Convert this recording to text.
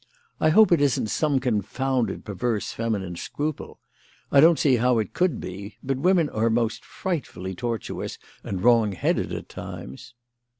I hope it isn't some confounded perverse feminine scruple. I don't see how it could be; but women are most frightfully tortuous and wrong headed at times."